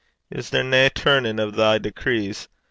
Is there nae turnin' o' thy decrees?